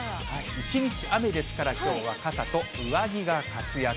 一日雨ですから、きょうは傘と上着が活躍。